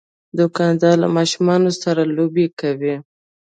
دوکاندار له ماشومان سره لوبې کوي.